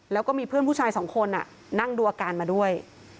แล้วก็มีเพื่อนผู้ชายสองคนนั่งดูอาการมาด้วย